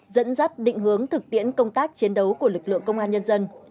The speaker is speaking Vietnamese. dẫn dắt định hướng thực tiễn công tác chiến đấu của lực lượng công an nhân dân